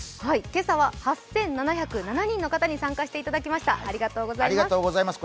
今朝は８７０７人の方に参加していただきました、ありがとうございます。